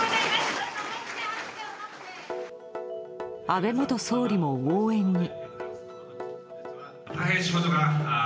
安倍元総理も応援に。